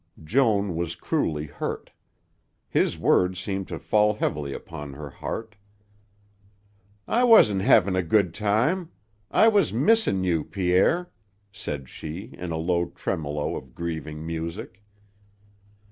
Joan was cruelly hurt. His words seemed to fall heavily upon her heart. "I wasn't hevin' a good time. I was missin' you, Pierre," said she in a low tremolo of grieving music.